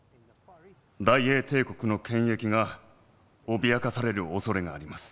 大英帝国の権益が脅かされるおそれがあります。